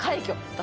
だ